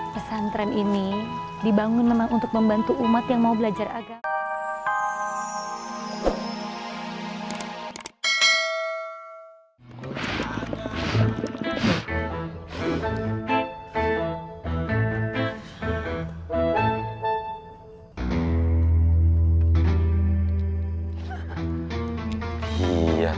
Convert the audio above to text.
pesantren ini dibangun memang untuk membantu umat yang mau belajar agama